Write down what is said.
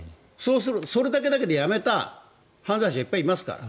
それだけでやめた犯罪者いっぱいいますから。